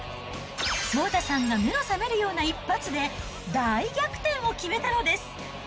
ソウザさんが目の覚めるような一発で、大逆転を決めたのです。